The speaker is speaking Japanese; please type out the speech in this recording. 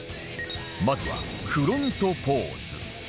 まずはフロントポーズ